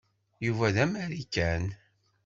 Yuba d amarikan.